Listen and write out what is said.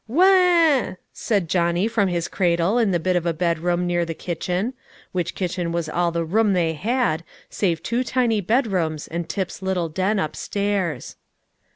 "Wah!" said Johnny, from his cradle in the bit of a bedroom near the kitchen, which kitchen was all the room they had, save two tiny bedrooms and Tip's little den up stairs.